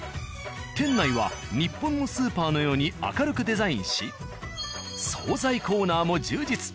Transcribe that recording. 店内は日本のスーパーのように明るくデザインし惣菜コーナーも充実。